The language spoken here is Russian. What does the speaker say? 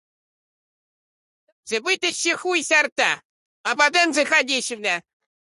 Некоторые даже боятся.